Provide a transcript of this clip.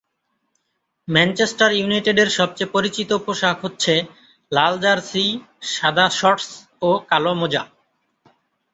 Manchester ইউনাইটেডের সবচেয়ে পরিচিত পোশাক হচ্ছে লাল জার্সি, সাদা শর্টস ও কালো মোজা।